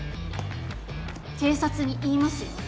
警察に言いますよ